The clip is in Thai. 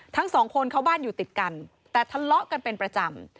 ทั้งสองคนเขาบ้านอยู่ติดกันแต่ทะเลาะกันเป็นประจำ